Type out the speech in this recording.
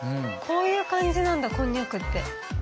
こういう感じなんだこんにゃくって。